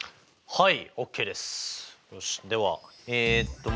はい。